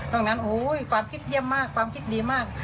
ตรงนั้นโอ้ยความคิดเยี่ยมมากความคิดดีมาก